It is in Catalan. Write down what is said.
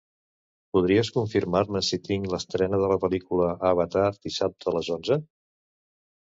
Podries confirmar-me si tinc l'estrena de la pel·lícula Avatar dissabte a les onze?